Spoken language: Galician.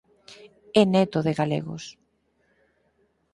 É neto de galegos.